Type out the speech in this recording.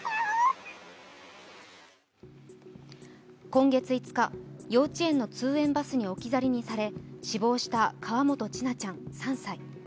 今月５日、幼稚園の通園バスに置き去りにされ死亡した河本千奈ちゃん３歳。